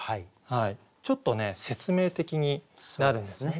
ちょっとね説明的になるんですよね。